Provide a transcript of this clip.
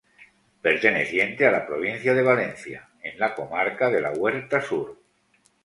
Perteneciente a la provincia de Valencia, en la comarca de la Huerta Sur.